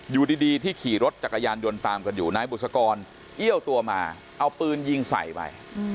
อยู่ดีที่ขี่รถจักรยานยนต์ตามกันอยู่นายบุษกรเอี้ยวตัวมาเอาปืนยิงใส่ไป